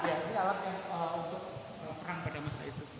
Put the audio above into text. ini alatnya untuk perang pada masa itu